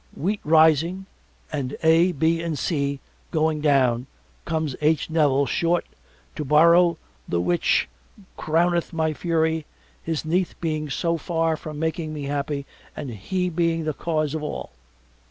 Wheat rising and A. B. & C. going down comes H. Nevil short to borrow the which crowneth my fury his niece being so far from making me happy and he being the cause of all.